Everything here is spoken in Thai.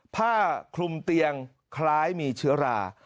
ผ้าคลุมเตียงคล้ายมีเชื้อรา